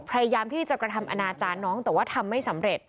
พยายามที่จะกระทำอนาจารย์น้องแต่ว่าทำไม่สำเร็จ